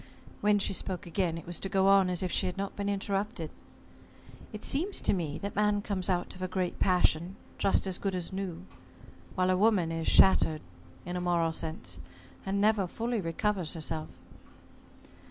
When she spoke again, it was to go on as if she had not been interrupted, "It seems to me that man comes out of a great passion just as good as new, while a woman is shattered in a moral sense and never fully recovers herself."